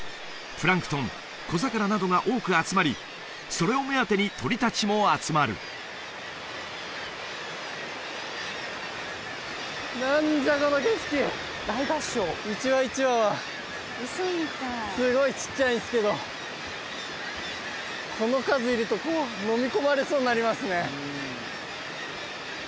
プランクトン小魚などが多く集まりそれを目当てに鳥達も集まる一羽一羽はすごいちっちゃいんですけどこの数いるとのみ込まれそうになりますね